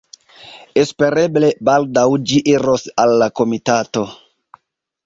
Espereble baldaŭ ĝi iros al la komitato.